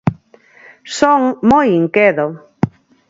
Son moi inquedo.